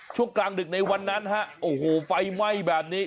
ช่วงกลางดึกในวันนั้นฮะโอ้โหไฟไหม้แบบนี้